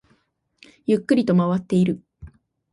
ゆっくりと回っている